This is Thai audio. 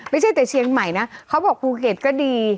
ไม่ใช่แต่เชียงใหม่นะเขาบอกภูเก็ตก็ดี